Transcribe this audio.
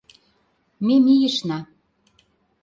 Ме мийышна.